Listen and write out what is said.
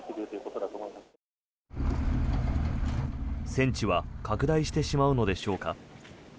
戦地は拡大してしまうのでしょうか。